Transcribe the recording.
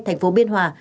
thành phố biên hòa